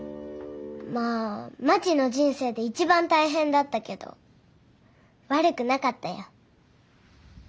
まあまちの人生で一番大変だったけど悪くなかったよ。